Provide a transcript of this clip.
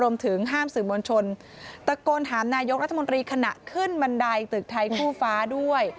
รวมถึงห้ามสื่อมวลชนตะโกนถามนายกรัฐมนตรีขณะขึ้นบันไดตึกไทยคู่ฟ้าด้วย